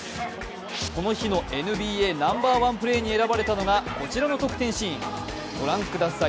この日のＮＢＡナンバーワンプレーに選ばれたのがこちらの得点シーン、ご覧ください